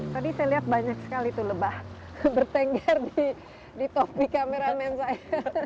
tadi saya lihat banyak sekali tuh lebah bertengger di top di kameramen saya